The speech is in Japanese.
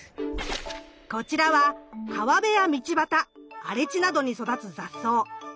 こちらは川辺や道ばた荒れ地などに育つ雑草ノミノツヅリ。